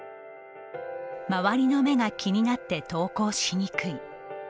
「周りの目が気になって投稿しにくい」